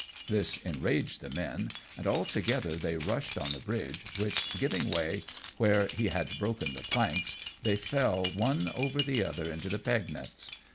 This enraged the men, and all together they rushed on the bridge, which giving way where he had broken the planks, they fell one over the other into the Pegnitz.